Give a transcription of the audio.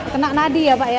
kena nadi ya pak ya